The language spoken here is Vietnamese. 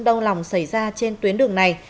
đông lòng xảy ra trên tuyến đường này